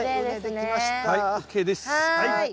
はい。